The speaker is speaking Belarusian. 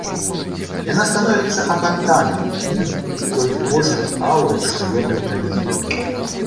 Яна становіцца апантанай ім і той трывожнай аўрай, што ён выпраменьвае.